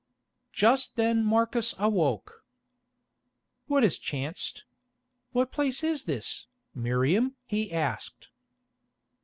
Just then Marcus awoke. "What has chanced? What place is this, Miriam?" he asked.